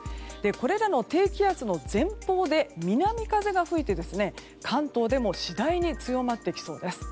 これらの低気圧の前方で南風が吹いて関東でも次第に強まってきそうです。